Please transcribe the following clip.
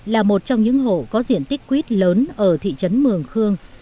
là một trong những hộ có diện tích quýt lớn ở thị trấn mường khương